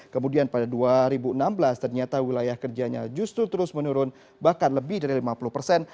kemudian pada dua ribu enam belas ternyata wilayah kerjanya justru terus menurun bahkan lebih dari lima puluh persen